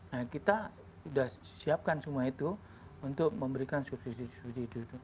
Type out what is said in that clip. nah kita sudah siapkan semua itu untuk memberikan subsidi subsidi itu